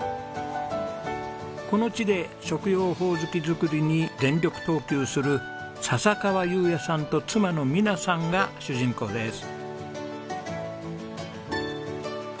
この地で食用ホオズキ作りに全力投球する笹川雄也さんと妻の美奈さんが主人公です。